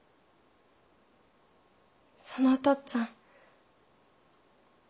そのおとっつぁん。